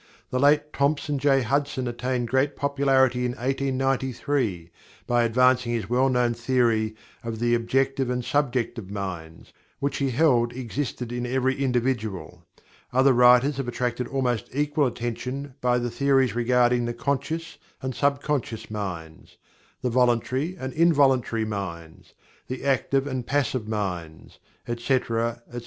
The late Thomson J. Hudson attained great popularity in 1893 by advancing his well known theory of the "objective and subjective minds" which he held existed in every individual. Other writers have attracted almost equal attention by the theories regarding the "conscious and subconscious minds"; the "voluntary and involuntary minds"; "the active and passive minds," etc., etc.